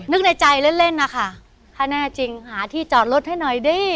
ในใจเล่นเล่นนะคะถ้าแน่จริงหาที่จอดรถให้หน่อยดิ